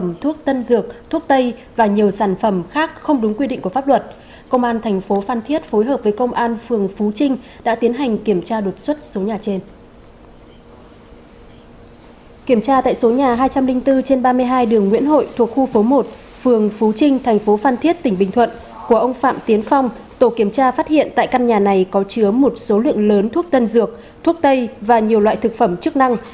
phường phú trinh thành phố phan thiết tỉnh bình thuận của ông phạm tiến phong tổ kiểm tra phát hiện tại căn nhà này có chứa một số lượng lớn thuốc tân dược thuốc tây và nhiều loại thực phẩm chức năng